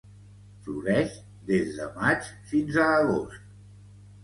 Floreix des de maig fins a agost.